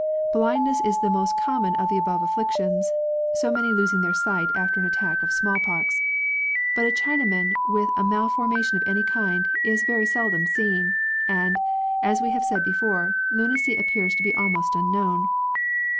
Blindness is the most common of the above afflictions, so many losing their sight after an attack of small pox. But a Chinaman with a malfor mation of any kind is very seldom seen ; and, as we have said before, lunacy appears to be almost unknown.